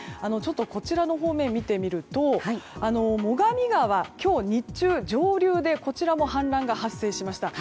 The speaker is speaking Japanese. こちらの方面を見てみると最上川は今日日中、上流で氾濫が発生しました。